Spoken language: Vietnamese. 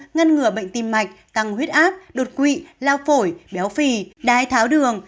ngăn ngừa bệnh tim mạch tăng huyết áp đột quỵ lao phổi béo phì đái tháo đường